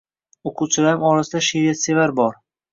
O‘quvchilarim orasida she’riyat sevar bor.